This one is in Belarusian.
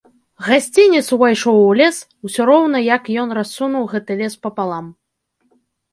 Гасцінец увайшоў у лес, усё роўна як ён рассунуў гэты лес папалам.